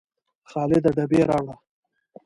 خالده ډبې راوړه